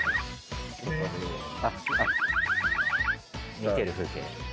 見てる風景？